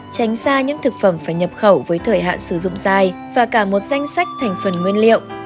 tránh xa những thực phẩm phải nhập khẩu với thời hạn sử dụng dài và cả một danh sách thành phần nguyên liệu